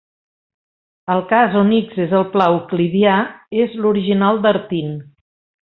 El cas on "X" és el pla euclidià és l'original d'Artin.